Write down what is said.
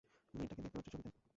মেয়েটাকে দেখতে পাচ্ছ ছবিতে?